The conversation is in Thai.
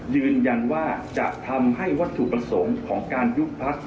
ยืนยันว่าจะทำให้วัตถุประสงค์ของการยุบพัก